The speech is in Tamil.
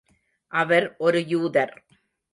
அவர் ஒரு யூதர்.